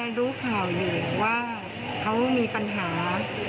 ก็รู้ข่าวดีว่าเขามีปัญหา